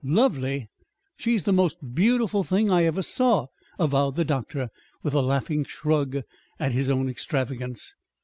"Lovely! She's the most beautiful thing I ever saw!" avowed the doctor, with a laughing shrug at his own extravagance.